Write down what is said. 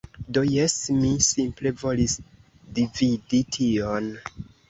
Do, jes, mi simple volis dividi tion.